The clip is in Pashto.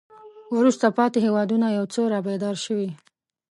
وروسته پاتې هېوادونه یو څه را بیدار شوي.